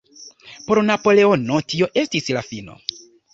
Por Napoleono tio estis la fino.